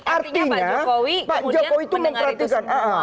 artinya pak jokowi kemudian mendengar itu semua